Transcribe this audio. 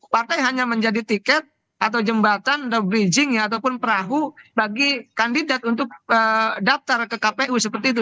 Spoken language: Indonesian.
partai hanya menjadi tiket atau jembatan the bridging ataupun perahu bagi kandidat untuk daftar ke kpu seperti itu